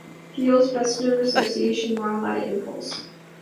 Thiele's best known association while at Impulse!